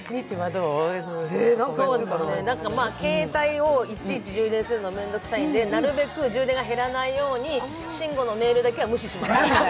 携帯をいちいち充電するの面倒くさいんでなるべく充電が減らないように、慎吾のメールだけは無視します。